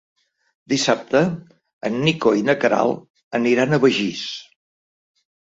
Dissabte en Nico i na Queralt aniran a Begís.